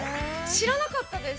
◆知らなかったです。